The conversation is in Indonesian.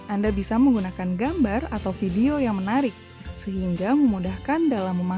anda bisa menggunakan gambar atau video yang menarik sehingga memudahkan dalam memanfaatkan